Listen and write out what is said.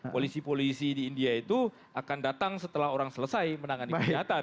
polisi polisi di india itu akan datang setelah orang selesai menangani kejahatan